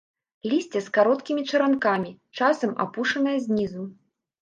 Лісце з кароткімі чаранкамі, часам апушанае знізу.